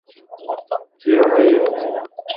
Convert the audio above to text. ইহুদী লোকটি বলল, আল্লাহর কসম, এগুলোই সেই নক্ষত্রসমূহের নাম।